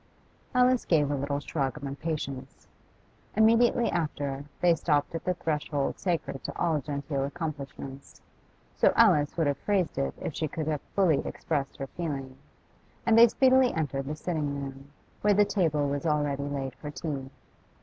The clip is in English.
Alice gave a little shrug of impatience. Immediately after, they stopped at the threshold sacred to all genteel accomplishments so Alice would have phrased it if she could have fully expressed her feeling and they speedily entered the sitting room, where the table was already laid for tea.